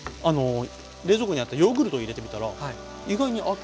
冷蔵庫にあったヨーグルトを入れてみたら意外に合って。